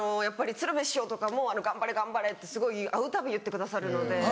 やっぱり鶴瓶師匠とかも頑張れ頑張れってすごい会うたび言ってくださるので。